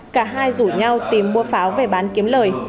cả hai rủ nhau tìm mua pháo về bán kiếm lời